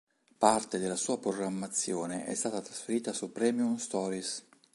Parte della sua programmazione è stata trasferita su Premium Stories.